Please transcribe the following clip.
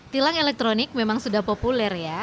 tilang elektronik memang sudah populer ya